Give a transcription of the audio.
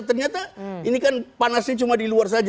ternyata ini kan panasnya cuma di luar saja